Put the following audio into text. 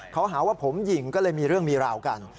เขาหาว่าผมหญิงก็เลยมีเรื่องมีราวกัน